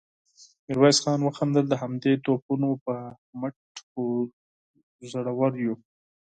ميرويس خان وخندل: د همدې توپونو په مټ خو زړور يو.